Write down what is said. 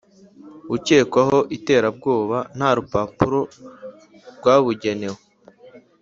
Ukekwaho iterabwoba nta rupapuro rwabugenewe